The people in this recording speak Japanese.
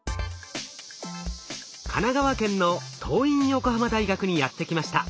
神奈川県の桐蔭横浜大学にやって来ました。